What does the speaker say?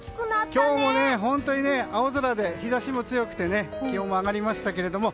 今日も本当に青空で日差しが強くて気温も上がりましたけれども。